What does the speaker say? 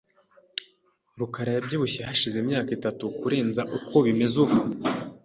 rukara yabyibushye hashize imyaka itatu kurenza uko bimeze ubu .